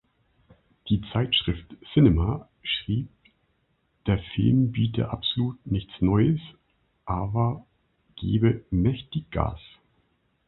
Die Zeitschrift "Cinema" schrieb, der Film biete „absolut nichts Neues“, aber gebe „mächtig Gas“.